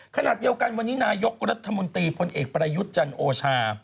ขณะเดียวกันวันนี้นายกรัฐมนตรีพลเอกประยุทธ์จันโอชา